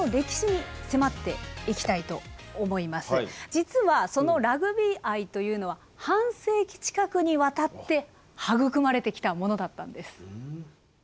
実はそのラグビー愛というのは半世紀近くにわたって育まれてきたものだったんです。